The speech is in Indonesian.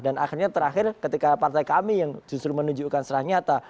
akhirnya terakhir ketika partai kami yang justru menunjukkan serah nyata